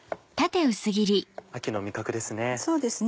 秋の味覚ですね。